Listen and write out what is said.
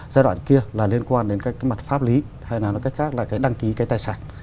giai đoạn kia là liên quan đến cái mặt pháp lý hay là cái khác là cái đăng ký cái tài sản